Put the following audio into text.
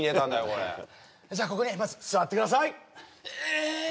これじゃここにまず座ってくださいえっ